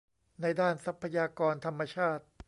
ในด้านทรัพยากรธรรมชาติ